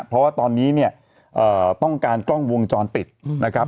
เพราะว่าตอนนี้เนี่ยต้องการกล้องวงจรปิดนะครับ